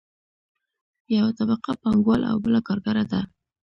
یوه طبقه پانګوال او بله کارګره ده.